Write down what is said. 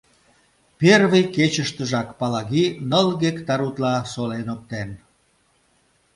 Первый кечыштыжак Палаги ныл гектар утла солен оптен.